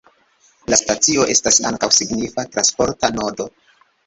La stacio estas ankaŭ signifa transporta nodo.